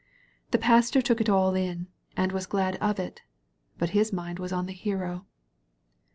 The Pastor took it all in, and was glad of it, but his mind was on the Hero.